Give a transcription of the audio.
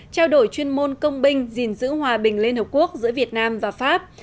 trao đổi chuyên môn công binh dình dữ hòa bình lên hợp quốc giữa việt nam và pháp